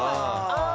ああ。